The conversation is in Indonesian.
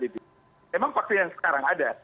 memang vaksin yang sekarang ada